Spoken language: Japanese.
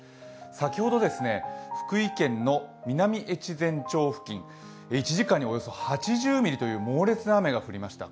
先ほど、福井県の南越前町付近、１時間におよそ８０ミリという猛烈な雨が降りました。